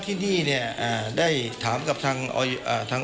ที่นี่ได้ถามกับทาง